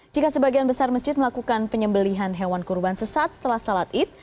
jika sebagian besar masjid melakukan penyembelihan hewan kurban sesaat setelah salat id